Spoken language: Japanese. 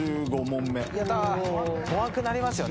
怖くなりますよね。